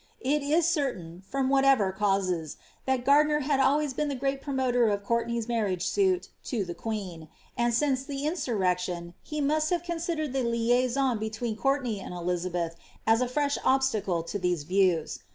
It is certain, from whatever causes, that Gardiner had always been the great promoter of Conrtenay's marriage suit to the queen; and, since the in surrection, he must have considered the liaison between Courtenay and Elizabeth as a fresh obstacle to these views.